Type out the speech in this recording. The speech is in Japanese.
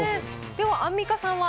アンミカさんは？